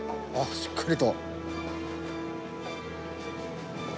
しっかりと。